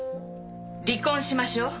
離婚しましょう